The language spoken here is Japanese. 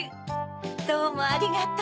どうもありがとう。